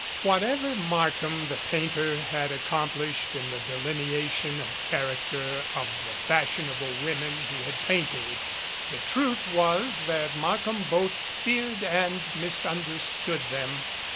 Whatever Markham the painter had accomplished in the delineation of character of the fashionable women he had painted, the truth was that Markham both feared and misunderstood them.